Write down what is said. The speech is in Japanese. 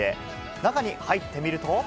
中に入ってみると。